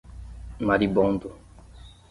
Maribondo